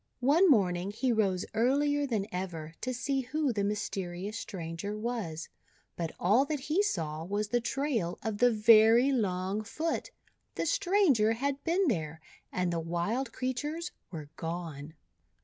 One morning he rose earlier than ever to see who the mysterious stranger was, but all that he saw was the trail of the very long foot. The stranger had been there, and the wild creatures were gone.